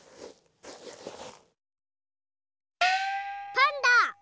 パンダ！